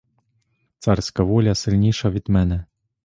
Царська воля сильніша від мене.